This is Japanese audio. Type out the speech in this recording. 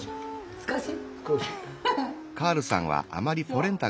少し。